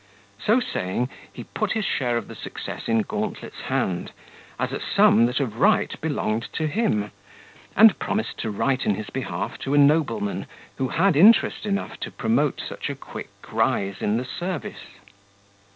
So saying, he put his share of the success in Gauntlet's hand, as a sum that of right belonged to him, and promised to write in his behalf to a nobleman, who had interest enough to promote such a quick rise in the service.